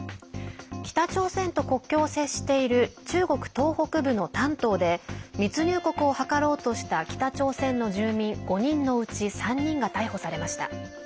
北朝鮮と国境を接している中国東北部の丹東で密入国を図ろうとした北朝鮮の住民５人のうち３人が逮捕されました。